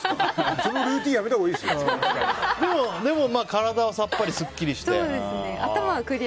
そのルーティンやめたほうがでも体はさっぱりすっきりして。